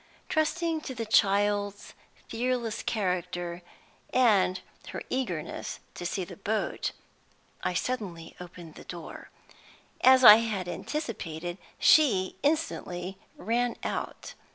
Trusting to the child's fearless character, and her eagerness to see the boat, I suddenly opened the door. As I had anticipated, she instantly ran out.